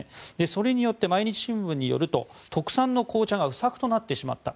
それによって毎日新聞によると特産の紅茶が不作となってしまった。